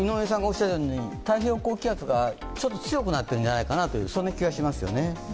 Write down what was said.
太平洋高気圧がちょっと強くなっているんじゃないかなという気がしますよね。